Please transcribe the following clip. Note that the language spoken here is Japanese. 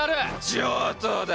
上等だ。